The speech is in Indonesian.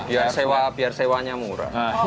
biar sewa biar sewanya murah